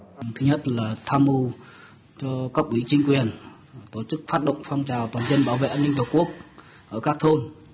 cho cộng ý chính quyền tổ chức phát động phong trào toàn dân bảo vệ an ninh tổ quốc ở các thôn